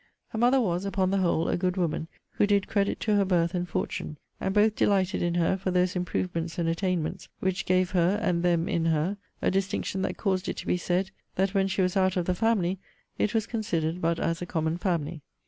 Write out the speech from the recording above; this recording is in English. Her mother was, upon the whole, a good woman, who did credit to her birth and fortune; and both delighted in her for those improvements and attainments which gave her, and them in her, a distinction that caused it to be said, that when she was out of the family it was considered but as a common family.